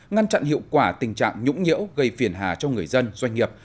ngăn chặn hiệu quả tình trạng nhũng nhiễu gây phiền hà cho người dân doanh nghiệp